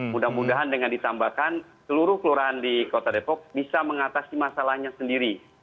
mudah mudahan dengan ditambahkan seluruh kelurahan di kota depok bisa mengatasi masalahnya sendiri